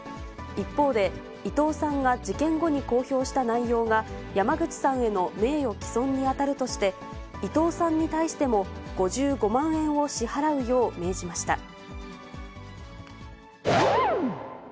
一方で、伊藤さんが事件後に公表した内容が、山口さんへの名誉毀損に当たるとして、伊藤さんに対しても５５万円を支払うよう命じました。